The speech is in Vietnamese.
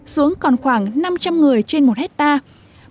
xuống còn khoảng năm trăm linh người trên một hectare